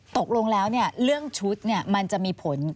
ตกลงแล้วเรื่องชุดมันจะมีผล